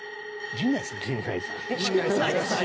陣内さん。